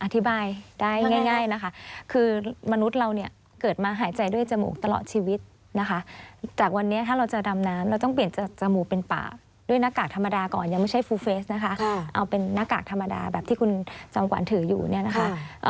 อธิบายได้ง่ายนะคะคือมนุษย์เราเนี่ยเกิดมาหายใจด้วยจมูกตลอดชีวิตนะคะจากวันนี้ถ้าเราจะดำน้ำเราต้องเปลี่ยนจากจมูกเป็นปากด้วยหน้ากากธรรมดาก่อนยังไม่ใช่ฟูเฟสนะคะเอาเป็นหน้ากากธรรมดาแบบที่คุณจำขวัญถืออยู่เนี่ยนะคะ